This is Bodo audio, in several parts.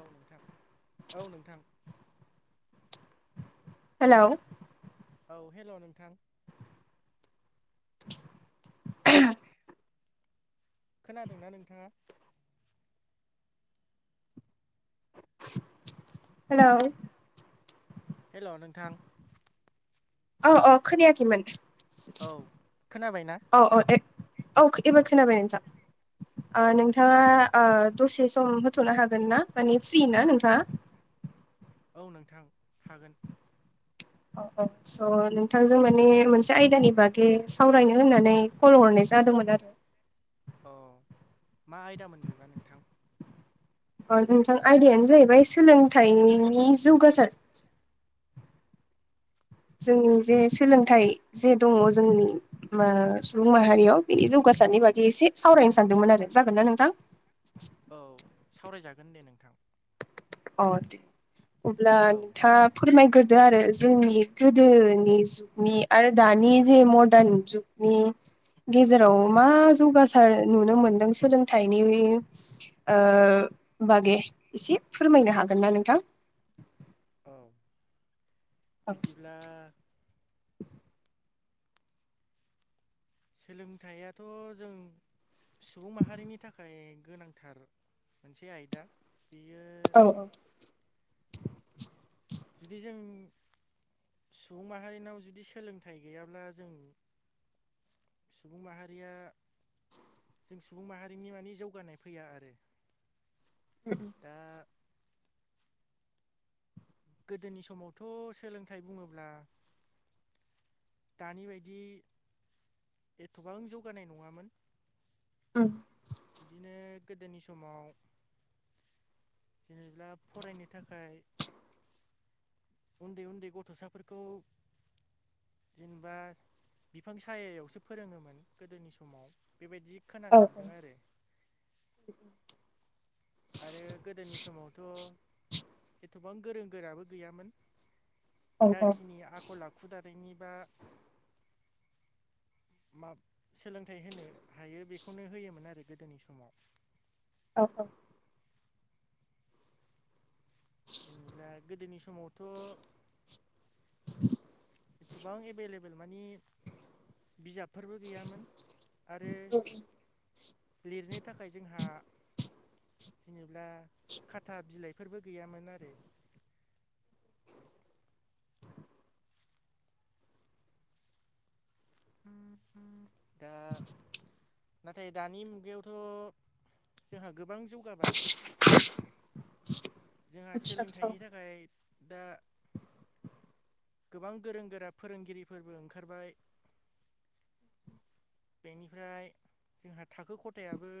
औ नोंथां औ नोंथां हेल' औ हेल' नोंथां [inaudible] खोनादोंना नोंथाङा? हेल' हेल' नोंथां औ अ' खोनायाखैमोन औ खोनाबायना औ औ औ एबार खोनाबाय नोंथां औ ओ दे नोंथाङा ओ दसे सम होथ'नो हागोन ना माने फ्रि ना नोंथाङा। औ नोंथां हागोन। औ औ स' नोंथांजों माने मोनसे आयदानि बागै सावरायनो होननानै कल हरनाय जादोंमोन आरो औ मा आयदा मोन बेबा नोंथां अ नोंथां आयदायानो जाहैबाय सोलोंथाइनि जौगासार। जोंनि जे सोलोंथाइ जे दङ' जोंनि मा सुबुं माहारियाव बिनि जौ औ गासारनि बागै एसे सावरायनो सान्दोंमोन आरो जागोन ना नोंथां? औ, सावराय जागोन दे नोंथां। अह दे। अब्ला औ नोंथां फोरमायग्रोदो आरो जोंनि गोदोनि जुगनि आरो दानि जे मरदान जुग नि गेजेराव मा जौगासार नुनो मोन्दों सोलोंथाइनि ओ बागे एसे फोरमायनो हागोन ना नोंथां? औ बिदिब्ला सोलोंथायाथ' जों सुबुं माहारिनि थाखाय गोनांथार मोनसे आयदा। बेयो औ जुदि जों सुबुं माहारिनाव जुदि सोलोंथाइ गैयाब्ला जों सुबुं माहारिया जों सुबुं माहारिनि मानि जौगानाय फैया आरो। [inaudible] दा गोदोनि समावथ' सोलोंथाइ बुङोब्ला दानि बायदि एथ'बां जौगानाय नङामोन। औ बिदिनो गोदोनि समाव जेनोब्ला फरायनो थाखाय उन्दै उन्दै गथ'साफोरखौ जेनोबा बिफां सायायावसो फोरोङोमोन गोदोनि समाव बेबायदि खोनानो मोन्दों आरो। आरो गोदोनि समावथ' एथ'बां गोरों गोराबो गैयामोन औ जाखिनि आखल आखु दानायनि बा माब-सोलोंथाइ होनो हायो बेखौनो होयोमोन आरो गोदोनि समाव। औ औ। जेनोब्ला गोदोनि समावथ' [inaudible] एथ'बां एभेलेबेल मानि बिजाबफोरबो गैयामोन आरो लिरनो थाखाय जोंहा जेनोब्ला खाथा बिलाइ फोरबो गैयामोन आरो। दा नाथाय दानि मुगायावथ' जोंहा गोबां जौगाबाय। जोंहा आतसा औ आदसा सोलोंथाइनि थाखाय दा गोबां गोरों गोरा फोरोंगिरिफोरबो ओंखारबाय। बेनिफ्राय जोंहा थाखो खथायाबो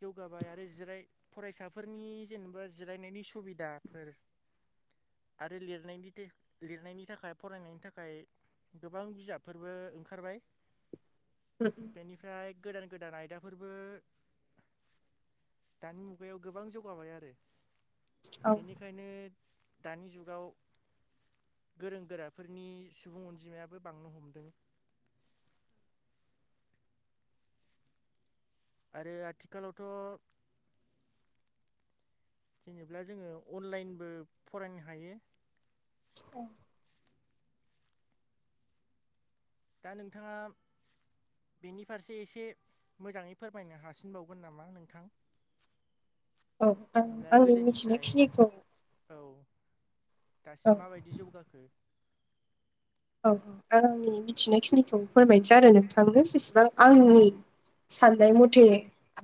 जौगाबाय आरो जिराय फरायसाफोरनि जेनोबा जिरायनायनि सुबिदाफोर ‌ आरो लिरनायनि थे-लिरनायनि थाखाय फरायनायनि थाखाय गोबां बिजाबफोरबो ओंखारबाय। [unintelligible] बेनिफ्राय गोदान गोदान आयदाफोरबो दानि मुगायाव गोबां जौगाबाय आरो। औ बेनिखायनो दानि जुगाव गोरों गोराफोरनि सुबुं अनजिमायाबो बांनो हमदों। आरो आथिखालावथ' जेनोब्ला जोङो अनलाइनबो फरायनो हायो। औ दा नोंथाङा बेनि फारसे एसे मोजाङै फोरमायनो हासिनबावगोन नामा नोंथां। [inaudible] औ आं जेनेबा आंनि गोदोनिफ्राय मिथिनायखिनिखौ औ दासिम औ माबायदि जौगाखो। औ आंनि मिथिनायखिनिखौ फोरमायसै आरो नोंथांनो जेसेबां आंनि साननाय मथे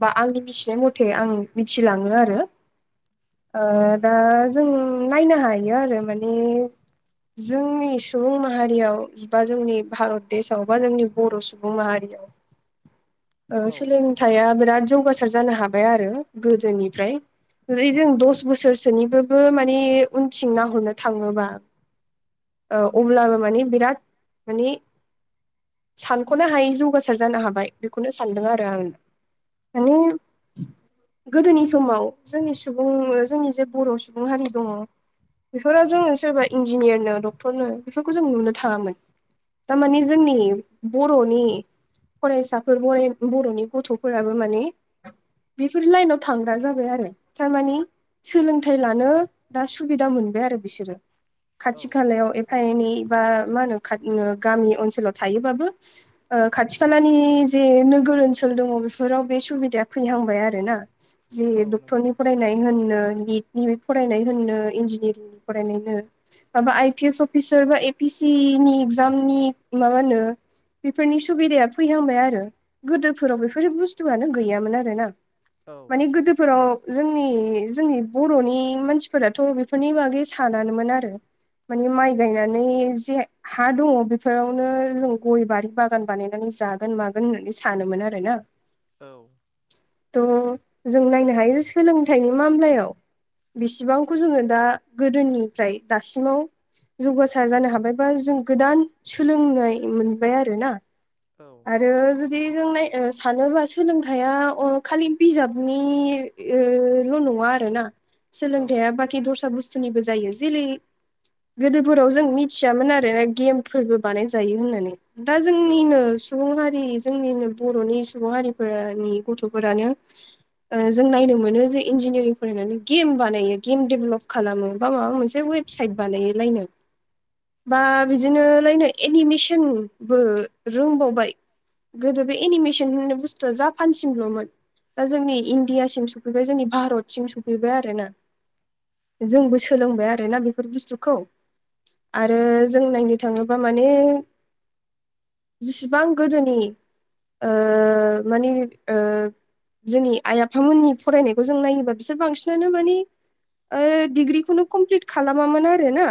बा आंनि मिसिनाय मथे आं मिथिलाङो आरो ओ औ दा नोंथां जों नायनो हायो आरो माने जोंनि सुबुं मा हारियाव जि बा जोंनि भारत देशआव बा जोंनि बर' सुबुं माहारियाव ओ औ सोलोंथाया बिराद जौगासार जानो हाबाय आरो गोदोनिफ्राय जि जों दस बोसोरसोनिबोबो माने उनथिं नाहरनो थाङोबा औ अब्लाबो मानि बिराद मानि सानख'नो हायै जौगासार जानो हाबाय। बेखौनो सानदों आरो आं माने गोदोनि समाव जोंनि सुबुं जोंनि जे बर' सुबुं हारि दङ। बेफोरो औ जोङो सोरबा इन्जिनियारनो डक्टरनो फोखौ जों नुनो थाङामोन। था माने जोंनि बर'नि फरायसा फोर बरेन बर'नि गथ'फोराबो माने बेफोर लाइनाव थांग्रा जाबाय आरो थारमानि सोलोंथाइ लानो दा सुबिदा मोनबाय आरो बिसोरो खाथि औ खालायाव एब खायनि बा मा होनो खाथ नो‌ गामि ओनसोलाव थायोबाबो ओ खाथि खालानि जे नोगोर ओनसोल दङ बेफोराव बे सुबिदाया फैहांबाय आरो ना। जि औ नंगौ डक्टरनि फराय नाय होननो निदनि फरायनाय होननो इनजिनिर फरायनो माबा आइ पि एस अफ बिसोरबा एपि सि नि इगजामनि माबा होनो बेफोरनि सुबिदाया फैहांबाय आरो गोदोफोराव बेफोर बुस्थुआनो गैयामोन आरो ना। औ माने गोदो फोराव जोंनि जोंनि बर'नि मानसिफोराथ' बेफोरनि बागै सानानोमोन आरो। माने माइ गायनानै जे हा दङ बेफोरावनो जों गय बारि बागान बानायनानै जागोन मागोन होननानै सानोमोन आरो ना। औ थ' जों नायनो हायो जे सोलोंथाइनि मामलायाव बिसिबांखौ जोङो दा गोदोनिफ्राय दासिमाव जौगासार जानो हाबायबा जों गोदान सोलोंनाय मोनबाय आरो ना। औ। आरो जुदि जों नाय ओ सानोबा सोलोंथाया अ' खालि बिजाबनि ओ ल' नङा आरो ना। सोलोंथाया बाखि दस्रा बुस्थुनिबो जायो। जेलै गोदोफोराव जों मिथियामोन आरोना गेमफोरबो बानायजायो होननानै दा औ जोंनिनो सुबुं हारि जोंनिनो बर'नि सुबुं हारिफोरनि गथ'फोरानो ओ जों नायनो मोनो जे इन्जिनियारिं फरायनानै गेम बानायो गेम देबलप खालामो बा माबा मोनसे वेबसाइट बानायो लायनो। औ बा नंगौ बिदिनो लायनो एनिमेसनबो रोंबावबाय गोदो बे एनिमेसन होननाय बुस्थुआ जापानसिमल'मोन दा जोंनि इण्डियासिम सफैबाय जोंनि भारतसिम सफैबाय आरो ना। जोंबो सोलोंबाय आरो ना बेफोर बुस्थुखौ। आरो जों नायनो थाङोब्ला माने जिसिबां गोदोनि ओ माने ओ जोंनि आइ आफामोननि फरायनायखौ जों नायोबा बिसोर बांसिनानो माने ओ डिग्रिखौनो कमप्लिट खालामामोन आरो ना।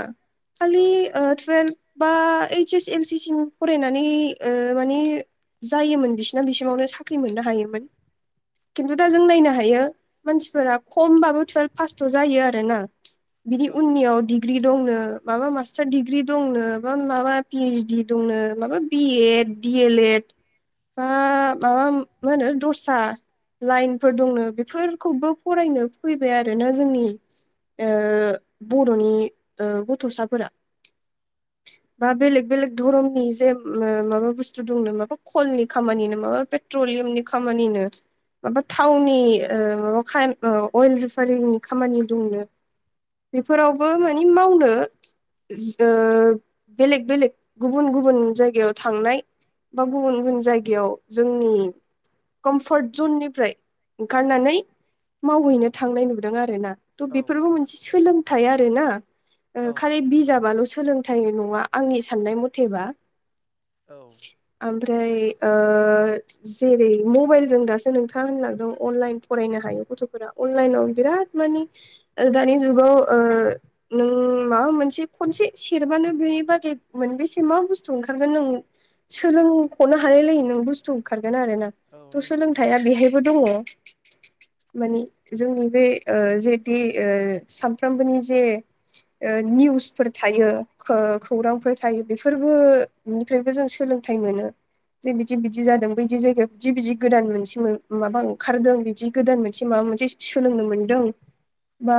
औ खालि ओ टुवेल्भ बा ओइस एस एल सि सिम फरायनानै ओ माने जायोमोन बिसिना बिसिमावनो साख्रि मोननो हायोमोन खिन्थु दा जों नायनो हायो। मानसिफोरा खमबाबो टुयेल्भ पासथ' जायो आरो ना। बिदि औ उननियाव नंगौ डिग्रि दंनो माबा मास्टार डिग्रि दंनो बा माबा पिएइसडि दंनो माबा बिएड डि एल एड। बा माबा मा होनो दस्रा लाइनफोर दंनो बेफोरखौबो फरायनो फैबाय आरोना जोंनि बर'नि गथ'साफोरा [inaudible] बा बेलेग बेलेग धरमनि जे माबा बुस्थु दंनो माबा खलनि खामानिनो माबा पेट्रलियामनि खामानिनो माबा थावनि खाय अइल रिफारिनि खामानि दंनो बेफोरावबो माने मावनो ओ बेलेग बेलेग गुबुन गुबुन जायगायाव थांनाय बा गुबुन गुबुन जायगायाव जोंनि कमफर्ट जननिफ्राय ओंखारनानै मावहैनो थांनाय नुदों आरो ना थ' औ बेफोरबो मोनसे सोलोंथाइ आर ना ओ औ खालि नंगौ बिजाबाल' सोलोंथाइ नङा आंनि सान्नाय मुथेबा। औ आमफ्राय ओ जेरै मबाइलजों दासो नोंथाङा होनलांदों अनलाइन फरायनो हायो गथ'फोरा अनलाइनाव बिराद मानि दानि जुगाव नों माबा मोनसे खनसे सेरबानो बेनि बागै मोनबेसे मा बुस्थु ओंखारगोन नों सोलोंख'नो हालाय लाय नों बुस्थु ओंखारगोन आरोोना औ थ' नंगौ औ सोलोंथायाइा बेहायबो दङ माने जोंनि बे ओ जेेति ओ सामफ्रामबोनि जे ओ निउसफोर थायो खो-खौरांफोर थायो बेफोरबो निफ्रायबो जों सोलों थाइ मोनो। जे बिदि बिदि जादों बैदि जायगायाव बिदि बिदि गोदान मोनसे माबा ओंखारदों बिदि गोदान मोनसे माबा मोनसे सोलोंनो मोनदों [inaudible] बा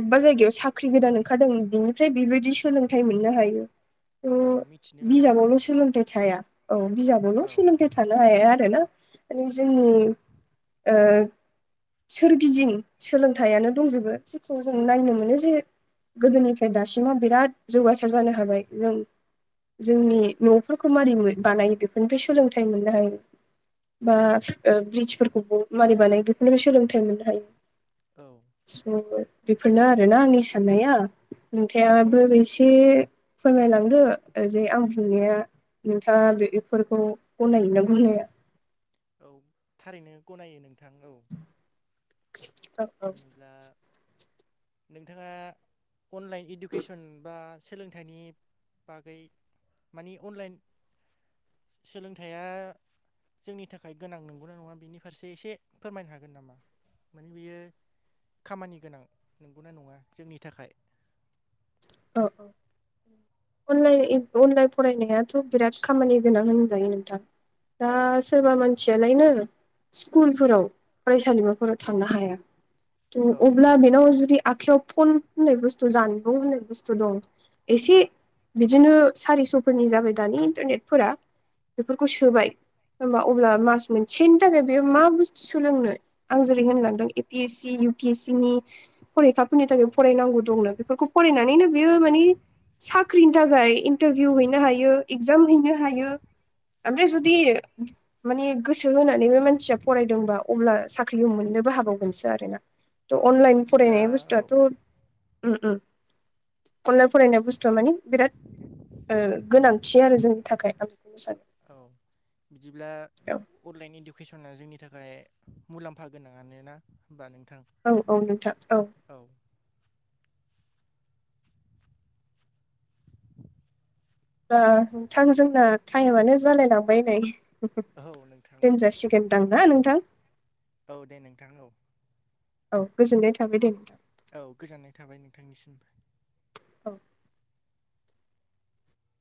अबेबा जायगायाव साख्रि गोदान ओंखारदों बिनिफ्राय बेबायदि सोलोंथाइ मोननो हायो औ मिथिनो हायो औ बिजाबावल' सोलोंथाइ थाया बिदिनो औ बिजाबावल' सोलोंथाइ थानो हाया आरोना माने जोंनि सोरगिदिं सोलोंथाइयानो दंजोबो जेखौ जों नायनो मोनो जे गोदोनिफ्राय दासिमाव बिराद जौगासार जानो हाबाय जों। जोंनि न'फोरखौ मारै बानायो बेफोरनिफ्राय सोलोंथाइ मोननो हायो बा ओ ब्रिदजफोरखौबो मानि बानायो बेफोरनोबो सोलोंथाइ मोननो हायो। औ स' बेफोरनो आरोना आंनि साननाया औ नोंथाबो एसे फोरमायलांदो जे आं बुंनाया नोंथाङा बेफोरखौ गनायोना गनाया औ थारैनो गनायो नोंथां औ। औ औ जेनेब्ला नोंथाङा अनलाइन इडुकेसन बा सोलोंथाइनि बागै मानि अनलाइन सोलोंथाइया जोंनि थाखाय गोनां नंगौना नङा बिनि फारसे एसे फोरमायनो हागोन नामा मान बेयो खामानि गोनां नंगौना नङा जोंनि थाखाय औ अनलाइन अनलाइन फरायनायाथ' बिराद खामानि गोनां होनजायो नोंथां दा औ सोरबा मानसियालायनो स्कुलफोराव फरायसालिमाफोराव थांनो हाया औ थ' अब्ला बेनाव जुदि आखायाव फन होन्नाय बुस्थु जानबुं होननाय बुस थ' दं एसे बिदिनो सारिस'फोरनि जाबाय दानि इन्टारनेटफोरा। बेफोरखौ सोबाय होमबा अब्ला मास मोनसेनि थाखाय बेयो मा बुस्थु सोलोंनो आं जेरै होनलांदों A P S C U P S C नि फरिखाफोरनि औ थाखाय फरायनांगौ दंनो बेफोरखौ फरायनानैनो फोर मानि साख्रिनि थाखाय इन्टारभिउ हैनो हायो इगजाम हैनो हायो। आमफ्राय जुदि औ मानि गोसो होनानै बे मानसिया फरायदोंबा अब्ला साख्रि मोननोबो हा बावगोनसो आरोना औ थ' अनलाइन बिदिब्ला फरायनाय औ बुस्थुआथ' ओम ओम। अनलाइन फरायनाय बुस्थुआ मानि बिराद गोनांथि आरो जोंनि थाखाय आं बेखौनो सानो। औ बिदिब्ला औ अनलाइन इडुकेसना जोंनि थाखाय मुलाम्फा गोनाङानोना होमबा नोंथां। औ औ नोंथां औ। औ। होमबा नोंथां जोंना टाइमानो जालायलांबाय नै। औ नोंथां दोनजासिगोनदां ना नोंथां? औ दे नोंथां औ। औ गोजोननाय थाबाय दे नोंथां। औ गोजोननाय थाबाय नोंथांनिसिमबो। औ।